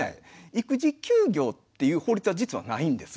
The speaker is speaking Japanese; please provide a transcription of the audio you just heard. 育児休業っていう法律は実はないんです。